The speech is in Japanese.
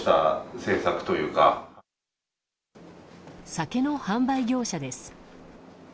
酒の販売業者です。